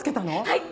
はい！